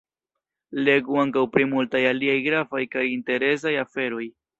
Legu ankaŭ pri multaj aliaj gravaj kaj interesaj aferoj!